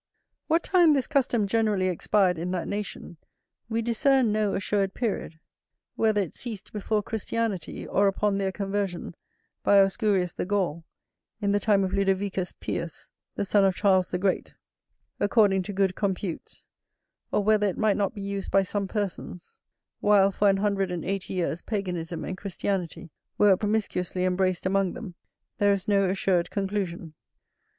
What time this custom generally expired in that nation, we discern no assured period; whether it ceased before Christianity, or upon their conversion, by Ausgurius the Gaul, in the time of Ludovicus Pius, the son of Charles the Great, according to good computes; or whether it might not be used by some persons, while for an hundred and eighty years Paganism and Christianity were promiscuously embraced among them, there is no assured conclusion.